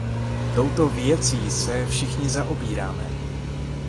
Touto věcí se všichni zaobíráme.